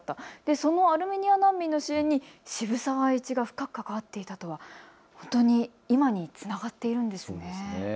そのアルメニア難民の支援に渋沢栄一が深く関わっていたとは本当に今につながっているんですね。